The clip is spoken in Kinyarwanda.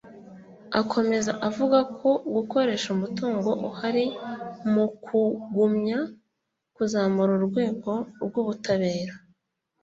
Akomeza avuga ko gukoresha umutungo uhari mu kugumya kuzamura urwego rw’ubutabera